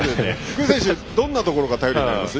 具選手、どんなところが頼りになりますか？